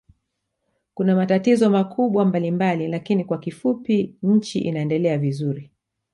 Kuna matatizo makubwa mbalimbali lakini kwa kifupui nchi inaendelea vizuri